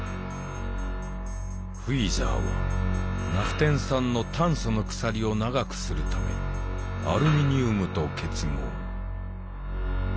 フィーザーはナフテン酸の炭素の鎖を長くするためアルミニウムと結合。